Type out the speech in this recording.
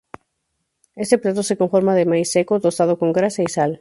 Este plato se conforma de maíz seco tostado con grasa y sal.